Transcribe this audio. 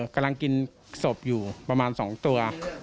กำลังกินศพอยู่ประมาณ๒ตัว